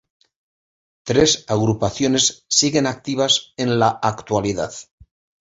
Las tres agrupaciones siguen activas en la actualidad.